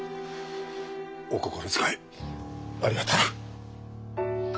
お心遣いありがたく。